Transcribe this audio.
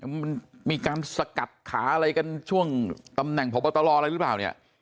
มันมีการสกัดขาอะไรกันช่วงตำแหน่งพบตรอะไรหรือเปล่าเนี่ย